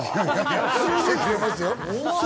来てくれますよ。